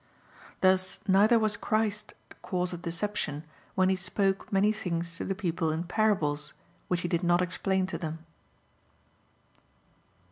Thus neither was Christ a cause of deception when He spoke many things to the people in parables, which He did not explain to them.